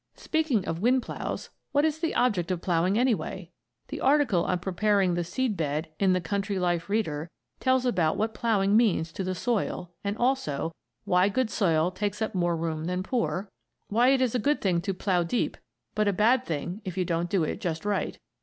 Speaking of "wind ploughs," what is the object of ploughing anyway? The article on preparing the seed bed in "The Country Life Reader" tells about what ploughing means to the soil and also: Why good soil takes up more room than poor. Why it is a good thing to plough deep, but a bad thing, if you don't do it just right.